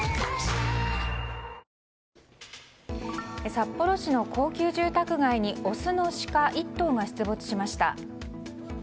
札幌市の高級住宅街にオスのシカ１頭が出没しました。